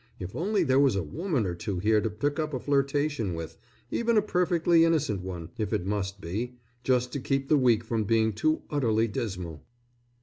If only there was a woman or two here to pick up a flirtation with, even a perfectly innocent one, if it must be, just to keep the week from being too utterly dismal."